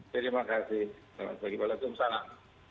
terima kasih selamat pagi pak salam